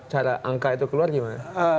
cara angka itu keluar gimana